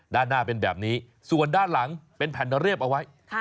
ด้านหน้าเป็นแบบนี้ส่วนด้านหลังเป็นแผ่นเรียบเอาไว้